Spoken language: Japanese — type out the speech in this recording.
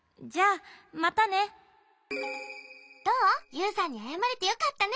ユウさんにあやまれてよかったね。